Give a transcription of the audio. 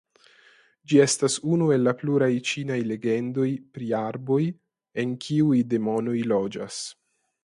Ĝi estas unu el pluraj ĉinaj legendoj pri arboj en kiuj demonoj loĝas.